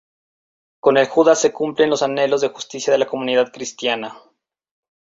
Con el Judas se cumplen los anhelos de justicia de la comunidad cristiana.